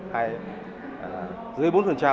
hay là dưới bốn